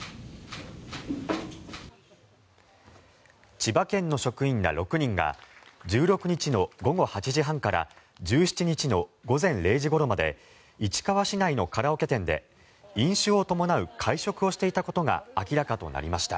千葉県の職員ら６人が１６日の午後８時半から１７日の午前０時ごろまで市川市内のカラオケ店で飲酒を伴う会食をしていたことが明らかとなりました。